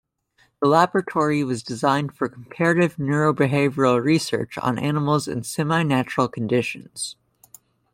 The laboratory was designed for comparative neurobehavioral research on animals in semi-natural conditions.